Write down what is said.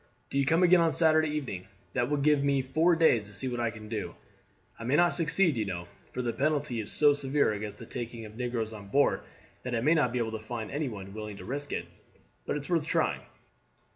Do you come again on Saturday evening that will give me four days to see what I can do. I may not succeed, you know; for the penalty is so severe against taking negroes on board that I may not be able to find any one willing to risk it. But it is worth trying."